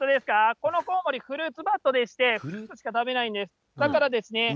このコウモリ、フルーツバットでして、フルーツしか食べないんですね。